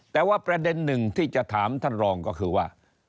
แต่ว่าประเด็นหนึ่งที่จะถามท่านรองก็คือว่า